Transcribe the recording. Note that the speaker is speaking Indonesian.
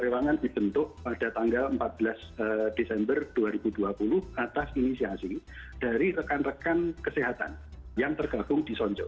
ruangan dibentuk pada tanggal empat belas desember dua ribu dua puluh atas inisiasi dari rekan rekan kesehatan yang tergabung di sonjo